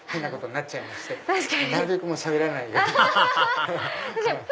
なるべくしゃべらないように。